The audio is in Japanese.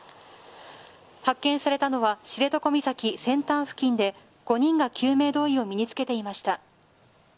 発見されたのは知床岬先端付近で５人が救命胴衣を身に着けていました。